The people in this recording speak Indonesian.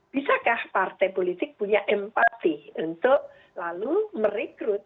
bisakah partai politik punya empati untuk lalu merekrut